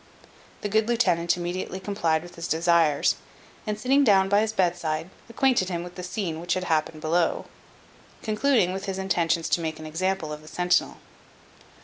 The good lieutenant immediately complied with his desires, and sitting down by his bed side, acquainted him with the scene which had happened below, concluding with his intentions to make an example of the centinel.